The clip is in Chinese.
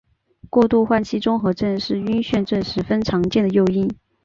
过度换气综合症是晕眩症十分常见的诱因。